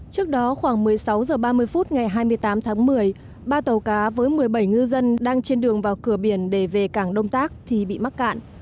trước đó khoảng một mươi sáu h ba mươi phút ngày hai mươi tám tháng một mươi ba tàu cá với một mươi bảy ngư dân đang trên đường vào cửa biển để về cảng đông tác thì bị mắc cạn